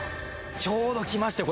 ちょうど来ましたよ